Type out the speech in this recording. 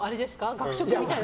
学食みたいな。